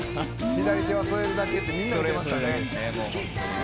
「左手は添えるだけ」ってみんな言ってましたね。